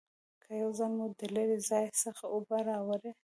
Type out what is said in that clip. که یو ځل مو د لرې ځای څخه اوبه راوړي